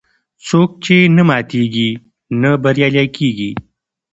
څوک چې نه ماتیږي، نه بریالی کېږي.